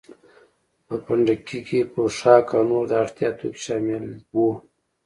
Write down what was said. په پنډکي کې پوښاک او نور د اړتیا توکي شامل وو.